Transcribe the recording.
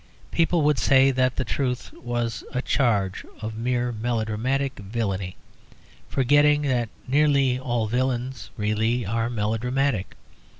People would say that the truth was a charge of mere melodramatic villainy; forgetting that nearly all villains really are melodramatic.